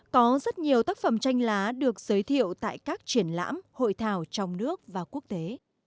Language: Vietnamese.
có rất nhiều tác phẩm tranh lá được giới thiệu tại các triển lãm hội thảo trong nước và quốc tế